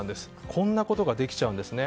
こんなことができちゃうんですね。